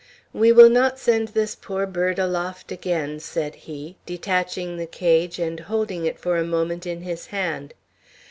"We will not send this poor bird aloft again," said he, detaching the cage and holding it for a moment in his hand.